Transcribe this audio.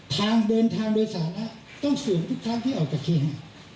ทางเดินทางโดยสาระต้องเสื่อมทุกทางที่ออกกับเขา